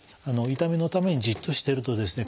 痛みのためにじっとしてるとですね